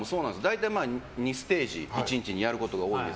大体２ステージを１日にやることが多いんです